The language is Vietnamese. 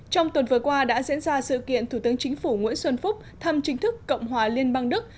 trong tuần vừa qua đã diễn ra sự kiện thủ tướng chính phủ nguyễn xuân phúc thăm chính thức cộng hòa liên bang đức